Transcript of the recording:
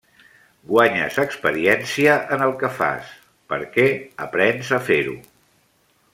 Guanyes experiència en el que fas, perquè aprens a fer-ho.